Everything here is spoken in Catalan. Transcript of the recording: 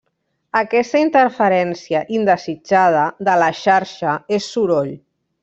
Aquesta interferència indesitjada de la xarxa és soroll.